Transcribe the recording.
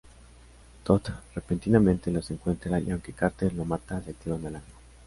Toth repentinamente los encuentra y aunque Carter lo mata, se activa una alarma.